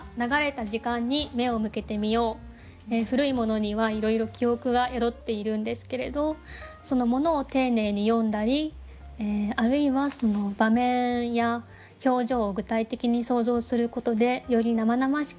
古いものにはいろいろ記憶が宿っているんですけれどその物を丁寧に詠んだりあるいはその場面や表情を具体的に想像することでより生々しく